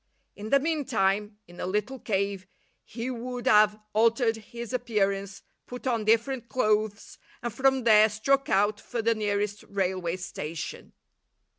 In the meantime, in a little cave, he would have altered his appearance, put on different clothes, and from there struck out for the nearest railway station.